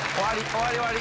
終わり終わり。